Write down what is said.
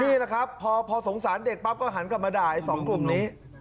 นี่แหละครับพอสงสารเด็กปั๊บก็หันกลับมาด่าไอ้สองกลุ่มนี้